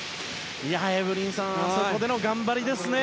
エブリンさんあそこでの頑張りですね。